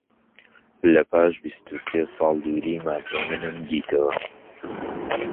لە پاش بیست و سێ ساڵ دووری، مام هێمنیم دیتەوە